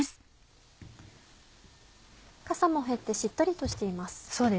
かさも減ってしっとりとしています。